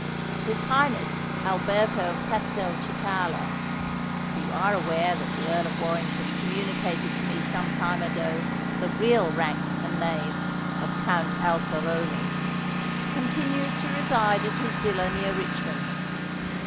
"His Highness Alberto of Castelcicala—(for you are aware that the Earl of Warrington communicated to me some time ago the real rank and name of Count Alteroni)—continues to reside at his villa near Richmond.